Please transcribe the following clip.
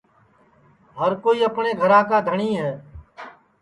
ہر کوئی اپٹؔے گھرا کا دھٹؔی ہے